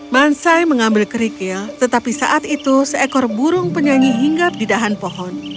mansai mengambil kerikil tetapi saat itu seekor burung penyanyi hingga di dahan pohon